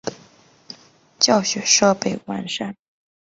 教学设施完善。